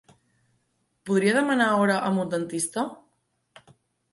Podria demanar hora amb un dentista?